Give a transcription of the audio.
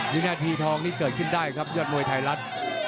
วินาทีทองนี้เกิดขึ้นได้ครับยอดมวยไทยรัฐ